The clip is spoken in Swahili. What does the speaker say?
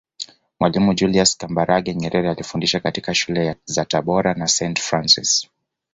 Mwalimu Julius Kambarage Nyerere alifundisha katika Shule za Tabora na Saint Francis